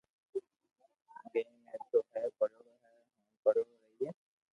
گڻي مي تو ھي ڀريوڙو ھو ھين ڀريوڙو رھئي